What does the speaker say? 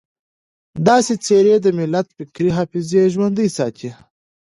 داسې څېرې د ملت فکري حافظه ژوندۍ ساتي.